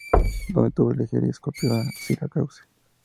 Tuvo donde elegir, y escogió Syracuse.